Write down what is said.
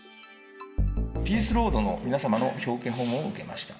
ピースロードの皆様の表敬訪問を受けました。